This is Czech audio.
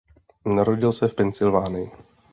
Narodil se v Pensylvánii.